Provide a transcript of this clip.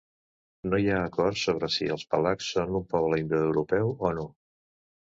No hi ha acord sobre si els pelasgs són un poble indoeuropeu o no.